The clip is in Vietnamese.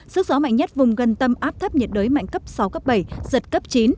sức gió mạnh nhất vùng gần tâm áp thấp nhiệt đới mạnh cấp sáu cấp bảy giật cấp chín